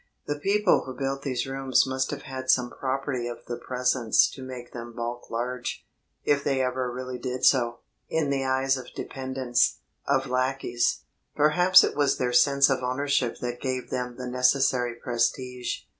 The people who built these rooms must have had some property of the presence to make them bulk large if they ever really did so in the eyes of dependents, of lackeys. Perhaps it was their sense of ownership that gave them the necessary prestige.